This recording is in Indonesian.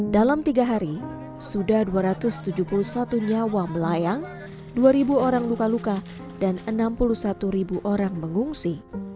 dalam tiga hari sudah dua ratus tujuh puluh satu nyawa melayang dua orang luka luka dan enam puluh satu ribu orang mengungsi